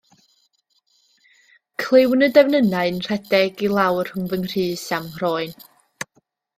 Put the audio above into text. Clywn y defnynnau'n rhedeg i lawr rhwng fy nghrys a'm croen.